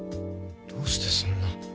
どうしてそんな。